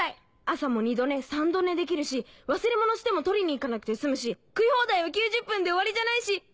朝も二度寝三度寝できるし忘れ物しても取りに行かなくて済むし食い放題は９０分で終わりじゃないし。